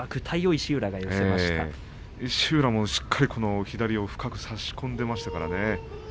石浦もしっかり左を深く差し込んでいましたからね。